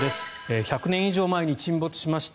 １００年以上前に沈没しました